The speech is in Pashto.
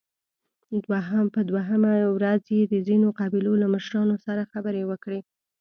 په دوهمه ورځ يې د ځينو قبيلو له مشرانو سره خبرې وکړې